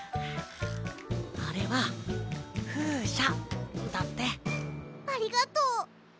あれは「ふうしゃ」だって。ありがとう！